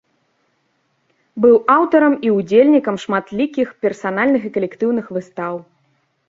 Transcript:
Быў аўтарам і ўдзельнікам шматлікіх персанальных і калектыўных выстаў.